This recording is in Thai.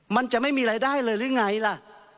มันจะไม่มีรายได้เลยหรือไงล่ะ